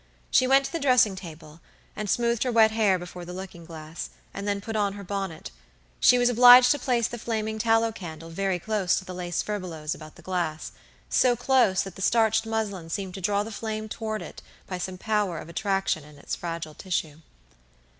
She went to the dressing table and, smoothed her wet hair before the looking glass, and then put on her bonnet. She was obliged to place the flaming tallow candle very close to the lace furbelows about the glass; so close that the starched muslin seemed to draw the flame toward it by some power of attraction in its fragile tissue.